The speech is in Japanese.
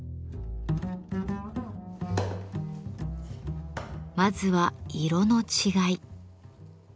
まずは色の違い。